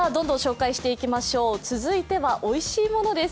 続いてはおいしいものです。